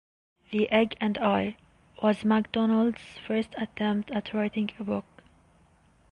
"The Egg and I" was MacDonald's first attempt at writing a book.